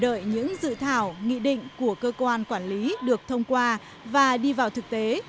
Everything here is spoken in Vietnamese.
chờ đợi những dự thảo nghị định của cơ quan quản lý được thông qua và đi vào thực tế